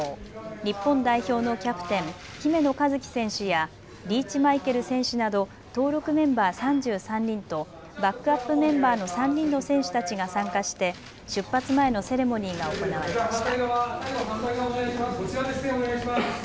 日本代表のキャプテン、姫野和樹選手やリーチマイケル選手など登録メンバー３３人とバックアップメンバーの３人の選手たちが参加して出発前のセレモニーが行われました。